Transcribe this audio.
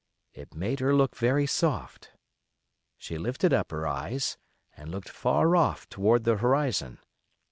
It made her look very soft. She lifted up her eyes, and looked far off toward the horizon.